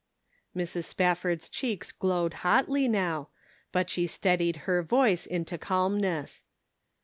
Mrs. Spafford's cheeks glowed hotly now, but she steadied her voice into calmness.